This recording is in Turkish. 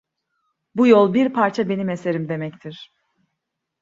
Bu yol bir parça benim eserim demektir…